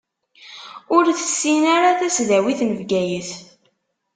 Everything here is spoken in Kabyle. Ur tessin ara tasdawit n Bgayet.